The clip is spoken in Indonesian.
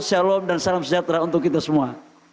shalom dan salam sejahtera untuk kita semua